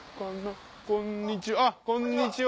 こんにちは。